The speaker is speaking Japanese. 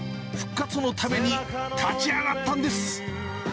復活のために立ち上がったんです。